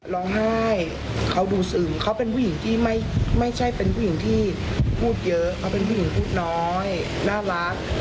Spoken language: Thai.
ร้องไห้เขาดูซึมเขาเป็นผู้หญิงที่ไม่ใช่เป็นผู้หญิงที่พูดเยอะเขาเป็นผู้หญิงพูดน้อยน่ารัก